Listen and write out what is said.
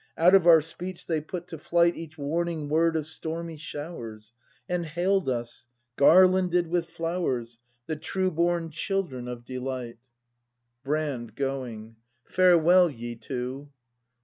Out of our speech they put to flight Each warning word of stormy showers. And hail'd us, garlanded with flowers, The true born children of Delight. ACT I] BRAND 35 Brand. [Going.] Farewell, ye two.